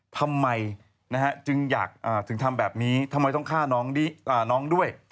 ทำไมจึงอยากถึงทำแบบนี้ทำไมต้องฆ่าน้องด้วย